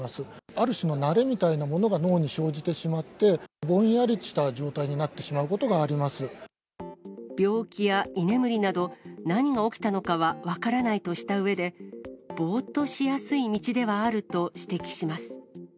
ある種の慣れみたいなものが脳に生じてしまって、ぼんやりした状病気や居眠りなど、何が起きたのかは分からないとしたうえで、ぼーっとしやすい道ではあると指摘します。